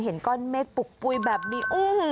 เห็นก้อนเมฆปุกปุ๋ยแบบนี้